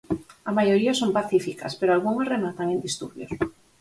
A maioría son pacíficas, pero algunhas rematan en disturbios.